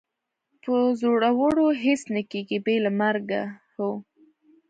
په زړورو هېڅ نه کېږي، بې له مرګه، هو.